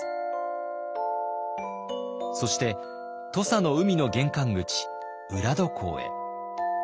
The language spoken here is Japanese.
そして土佐の海の玄関口浦戸港へ。